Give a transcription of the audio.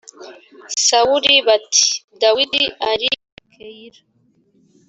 sawuli bati dawidi ari i keyila